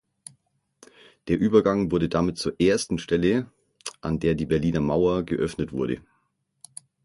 Der Übergang wurde damit zur ersten Stelle, an der die Berliner Mauer geöffnet wurde.